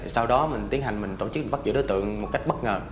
sau đó mình tiến hành tổ chức bắt giữa đối tượng một cách bất ngờ